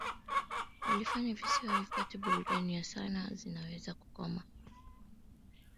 Walifanya visiwa vipate burudani ya sanaa zinaweza kukoma